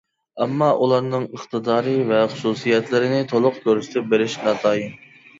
ئەمما ئۇلارنىڭ ئىقتىدارى ۋە خۇسۇسىيەتلىرىنى تۇلۇق كۆرسىتىپ بېرىش ناتايىن.